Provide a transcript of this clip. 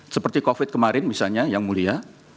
seperti covid kemarin misalnya yang mulia